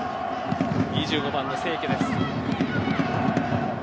２５番の清家です。